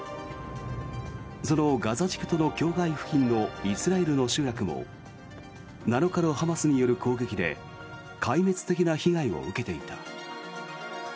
そのガザ地区との境界付近のイスラエルの集落も７日のハマスによる攻撃で壊滅的な被害を受けていた。